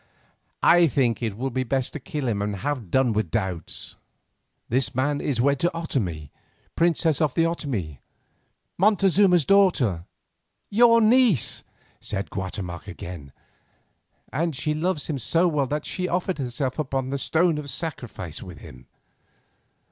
I think that it will be best to kill him and have done with doubts." "This man is wed to Otomie, princess of the Otomie, Montezuma's daughter, your niece," said Guatemoc again, "and she loves him so well that she offered herself upon the stone of sacrifice with him.